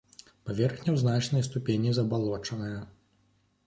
Паверхня ў значнай ступені забалочаная.